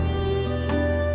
aku mau ke sana